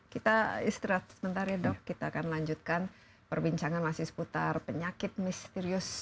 kita istirahat sebentar ya dok kita akan lanjutkan perbincangan masih seputar penyakit misterius